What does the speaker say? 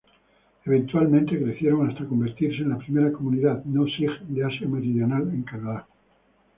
Eventualmente crecieron hasta convertirse en la primera comunidad no-sij de Asia meridional en Canadá.